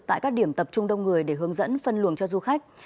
tại các điểm tập trung đông người để hướng dẫn phân luồng cho du khách